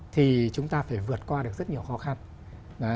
thì chúng ta phải vượt qua được rất nhiều khó khăn